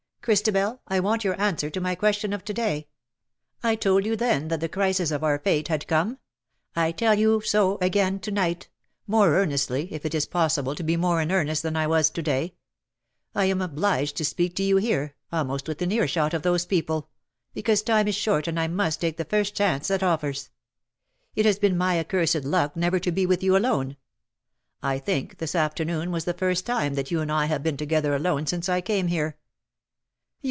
Christabel, I want your answer to my question of to day. I told you then that the crisis of our fate had come. I tell you so again to night — more earnestly, if it is possible to be more in earnest than I was to day. I am obliged to speak to you here — almost within ear shot of those people — because time is short, and I must take the first chance that offers. It has been my accursed luck never to be with you alone — I think this afternoon was the first time that you and I have been together alone since I came here. You.